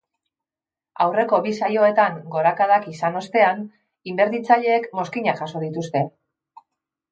Aurreko bi saioetan gorakadak izan ostean, inbertitzaileek mozkinak jaso dituzte.